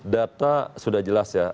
data sudah jelas ya